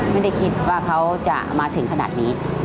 ไม่ได้คิดว่าเขาจะมาถึงขนาดนี้